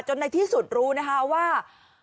ในที่สุดรู้นะคะว่า